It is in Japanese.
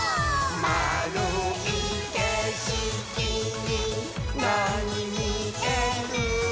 「まあるいけしきになにみえる？？？」